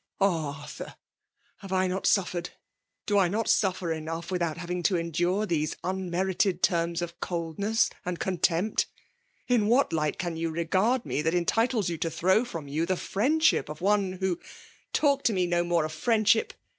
'' Oh ! Arthur !— ^have I not suffered, * do I not suffer enough, without having to endure these unmerited terms of coldness and con 190 FKUALB DOMINATION. tempt? In what light can you regard m^ that entitles you to throw from you the friend* ship of one who '* Talk lo me no more of friendship